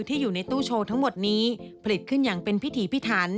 อยู่ในตู้โชว์ทั้งหมดนี้ผลิตขึ้นอย่างเป็นพิถีพิถัน